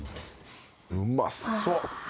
うまそう。